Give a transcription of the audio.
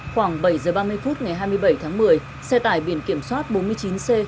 khoảng bảy h ba mươi phút ngày hai mươi bảy tháng một mươi xe tải biển kiểm soát bốn mươi chín c sáu nghìn bảy trăm ba mươi tám